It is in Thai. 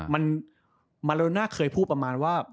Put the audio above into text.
มันมาโลน่าเคยพูดประมาณว่า